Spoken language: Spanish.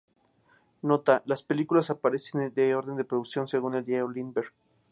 Nota: Las películas aparecen por orden de producción, según el diario de Lindberg.